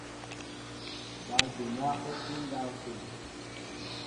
Bal obina oti ndáwte.